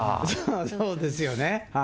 そうですよね。